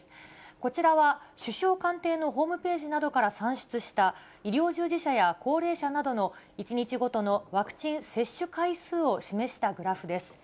こちらは首相官邸のホームページなどから算出した、医療従事者や高齢者などの１日ごとのワクチン接種回数を示したグラフです。